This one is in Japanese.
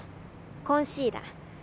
コンシーラー。